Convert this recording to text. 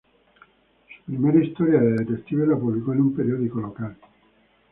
Su primera historia de detectives la publicó en un periódico local.